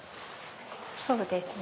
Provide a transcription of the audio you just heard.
そうですね。